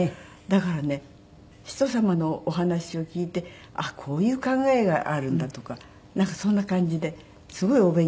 だからね人様のお話を聞いてあっこういう考えがあるんだとかなんかそんな感じですごいお勉強になります。